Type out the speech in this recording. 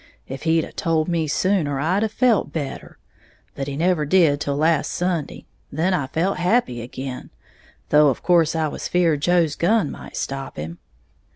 If he'd a told me sooner, I'd have felt better, but he never did till last Sunday. Then I felt happy again, though of course I was afeared Joe's gun might stop him.